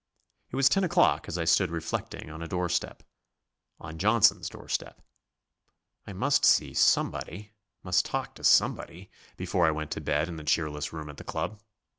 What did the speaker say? It was ten o'clock as I stood reflecting on a doorstep on Johnson's doorstep. I must see somebody, must talk to somebody, before I went to bed in the cheerless room at the club.